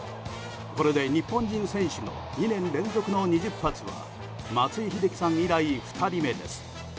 これで日本人選手の２年連続の２０発は松井秀喜さん以来２人目です。